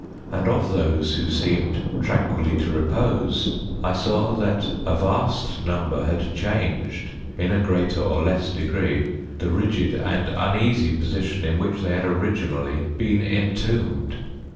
And of those who seemed tranquilly to repose, I saw that a vast number had changed, in a greater or less degree, the rigid and uneasy position in which they had originally been entombed.